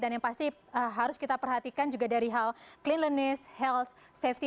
dan yang pasti harus kita perhatikan juga dari hal cleanliness health safety